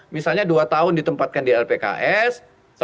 misalnya dua tahun ditempatkan di lpks